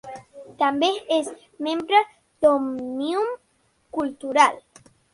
També és membre d'Òmnium Cultural.